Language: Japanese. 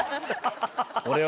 俺は。